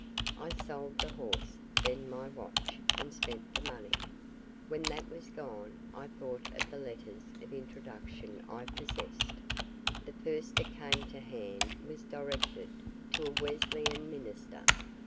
I sold the horse, then my watch, and spent the money. When that was gone, I thought of the letters of introduction I possessed. The first that came to hand was directed to a Wesleyan minister.